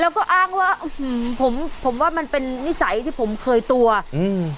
แล้วก็อ้างว่าอื้อหือผมผมว่ามันเป็นนิสัยที่ผมเคยตัวอืม